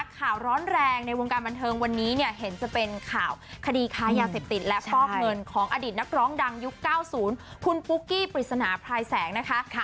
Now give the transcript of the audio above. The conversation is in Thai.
ข่าวร้อนแรงในวงการบันเทิงวันนี้เนี่ยเห็นจะเป็นข่าวคดีค้ายาเสพติดและฟอกเงินของอดีตนักร้องดังยุค๙๐คุณปุ๊กกี้ปริศนาพลายแสงนะคะ